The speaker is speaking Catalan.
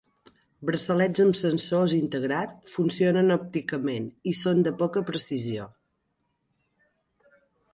Braçalets amb sensors integrat funcionen òpticament, i són de poca precisió.